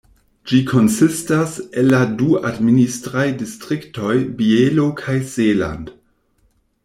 Ĝi konsistas el la du administraj distriktoj Bielo kaj Seeland.